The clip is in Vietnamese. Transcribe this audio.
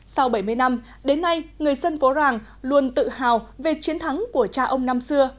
sau bảy mươi năm đến nay người dân phố ràng luôn tự hào về chiến thắng của cha ông năm xưa